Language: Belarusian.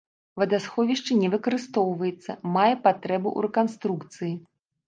Вадасховішча не выкарыстоўваецца, мае патрэбу ў рэканструкцыі.